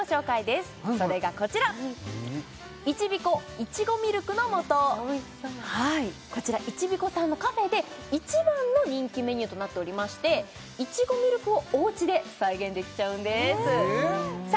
いちごミルクのもとこちらいちびこさんのカフェで１番の人気メニューとなっておりましていちごミルクをおうちで再現できちゃうんですさあ